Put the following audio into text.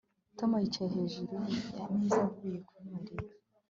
Tom yicaye hejuru yameza avuye kuri Mariya